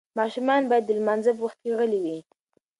ماشومان باید د لمانځه په وخت کې غلي وي.